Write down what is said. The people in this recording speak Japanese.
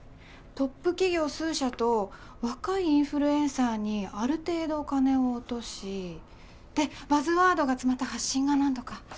トップ企業数社と若いインフルエンサーにある程度お金を落としでバズワードが詰まった発信が何とか。